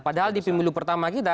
padahal di pemilu pertama kita